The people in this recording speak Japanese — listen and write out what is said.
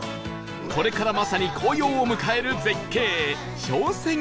これからまさに紅葉を迎える絶景昇仙峡